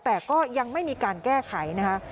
แต่ก็ยังไม่มีการแก้ไขนะคะ